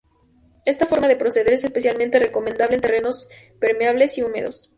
Esta forma de proceder es especialmente recomendable en terrenos permeables y húmedos.